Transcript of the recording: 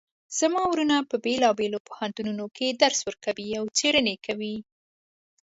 زما وروڼه په بیلابیلو پوهنتونونو کې درس ورکوي او څیړنې کوی